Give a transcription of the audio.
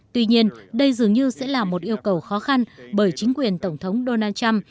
tuy nhiên đây dường như sẽ là một yêu cầu khó khăn bởi chính quyền tổng thống donald trump